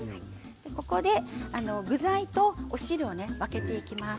ここで具材と汁を分けていきます。